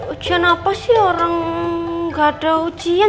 ujian apa sih orang gak ada ujian